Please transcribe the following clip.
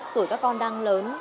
tuổi các con đang lớn